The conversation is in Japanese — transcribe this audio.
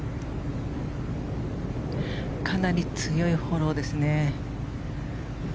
かなり強いフォローですね。